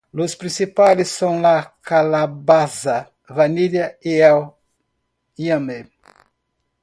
Los principales son la calabaza, vanilla y el ñame.